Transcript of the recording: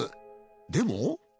でも。